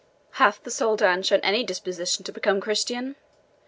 "Hath the Soldan shown any disposition to become Christian?"